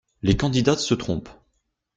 Les candidates se trompent.